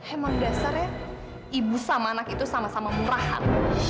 emang dasarnya ibu sama anak itu sama sama murahan